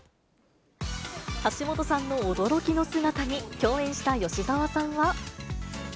橋本さんの驚きの姿に、共演した吉沢さんは。